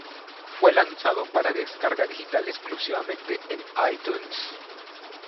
Fue lanzado para descarga digital exclusivamente en iTunes.